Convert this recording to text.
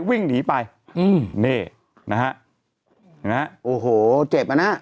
วิ่งหนีไปอืมนี่นะฮะโอ้โหเจ็บอ่ะนะ